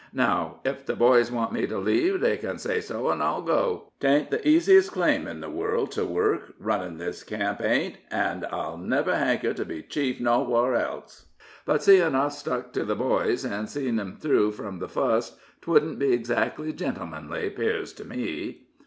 Now, ef the boys want me to leave, they kin say so, an' I'll go. 'Tain't the easiest claim in the world to work, runnin' this camp ain't, an' I'll never hanker to be chief nowhar else; but seein' I've stuck to the boys, an' seen 'em through from the fust, 'twouldn't be exactly gent'emanly, 'pears to me."